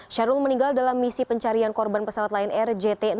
syahrul meninggal dalam misi pencarian korban pesawat lion air jt enam ratus